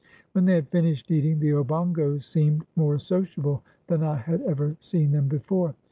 When they had finished eating, the Obongos seemed more sociable than I had ever seen them before.